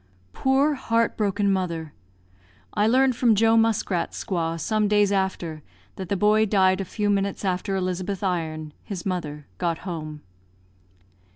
Poor heart broken mother! I learned from Joe Muskrat's squaw some days after that the boy died a few minutes after Elizabeth Iron, his mother, got home.